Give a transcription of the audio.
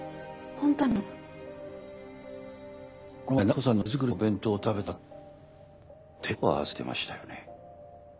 この前夏子さんの手作りのお弁当を食べた後手を合わせてましたよね？